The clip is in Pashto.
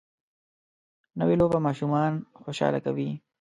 نوې لوبه ماشومان خوشحاله کوي